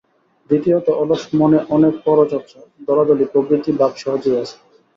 দ্বিতীয়ত অলস মনে অনেক পরচর্চা, দলাদলি প্রভৃতি ভাব সহজেই আসে।